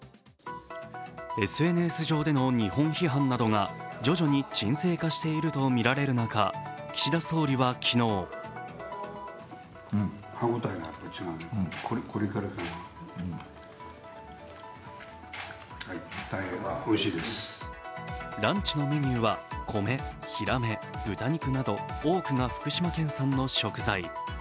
ＳＮＳ上での日本批判などが徐々に沈静化しているとみられる中、岸田総理は昨日ランチのメニューは米、ひらめ、豚肉など多くが福島県産の食材。